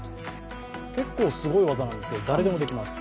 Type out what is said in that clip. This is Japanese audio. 結構すごい技なんですけど誰でもできます。